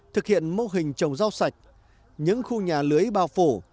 thực hiện mô hình trồng rau sạch những khu nhà lưới bao phủ